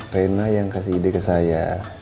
pena yang kasih ide ke saya